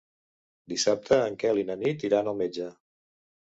Dissabte en Quel i na Nit iran al metge.